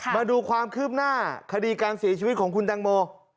มาดูความคืบหน้าคดีการเสียชีวิตของคุณตังโม